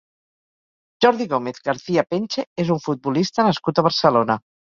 Jordi Gómez García-Penche és un futbolista nascut a Barcelona.